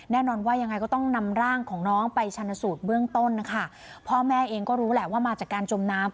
แน่นอนว่ายังไงก็ต้องนำร่างของน้องไปชันสูตรเบื้องต้นนะคะพ่อแม่เองก็รู้แหละว่ามาจากการจมน้ำ